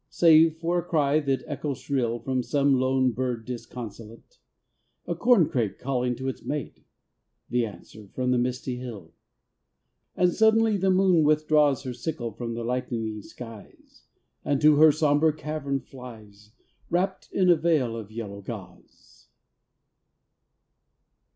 Save for a cry that echoes shrill From some lone bird disconsolate; A corncrake calling to its mate; The answer from the misty hill. And suddenly the moon withdraws Her sickle from the lightening skies, And to her sombre cavern flies, Wrapped in a veil of yellow gauze.